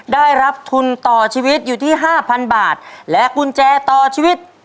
ได้รับทุนต่อชีวิตอยู่ที่ห้าพันบาทและกุญแจต่อชีวิต